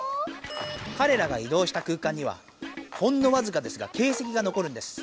かれらがいどうした空間にはほんのわずかですが形せきがのこるんです。